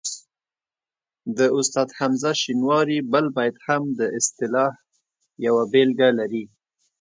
د استاد حمزه شینواري بل بیت هم د اصطلاح یوه بېلګه لري